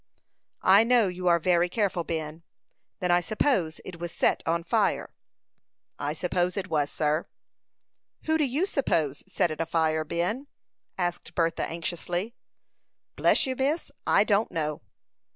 "I know you are very careful, Ben. Then I suppose it was set on fire." "I suppose it was, sir." "Who do you suppose set it afire, Ben?" said Bertha, anxiously. "Bless you, miss, I don't know."